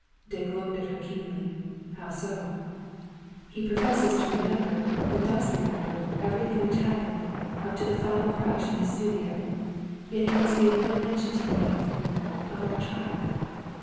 Dick looked at her keenly. "How so?" "He professes to remember, and does remember, everything which happened, up to the final crash in the studio. Yet he has made no mention to me of of our child."